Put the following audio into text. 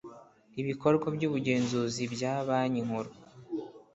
ibikorwa by ubugenzuzi bya Banki Nkuru